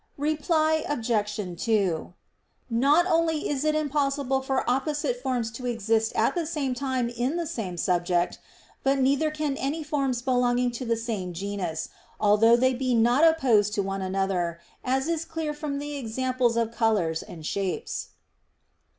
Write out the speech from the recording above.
Reply Obj. 2: Not only is it impossible for opposite forms to exist at the same time in the same subject, but neither can any forms belonging to the same genus, although they be not opposed to one another, as is clear from the examples of colors and shapes.